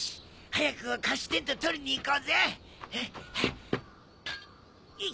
早く貸しテント取りに行こうぜ！